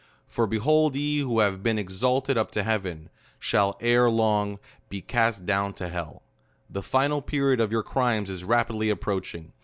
For behold, ye, who have been ex ahed up to heaven, shall, ere long, be cast down to hell! The final period of your crimes is rapidly approaching.